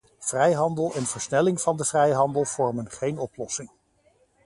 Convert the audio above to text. Vrijhandel en versnelling van de vrijhandel vormen geen oplossing.